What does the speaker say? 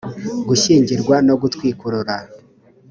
gushyingirwa no gutwikurura